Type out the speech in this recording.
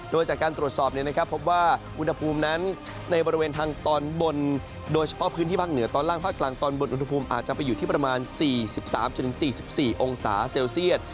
โดยจากการตรวจสอบพบว่าอุณหภูมินั้นในบริเวณทางตอนบนโดยเฉพาะพื้นที่ภาคเหนือตอนล่างภาคกลางตอนบนอุณหภูมิอาจจะไปอยู่ที่ประมาณ๔๓๔๔องศาเซลเซียต